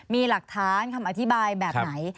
มีหลักฐานคำอธิบายแบบไหน